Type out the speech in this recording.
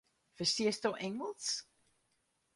Ferstiesto Ingelsk?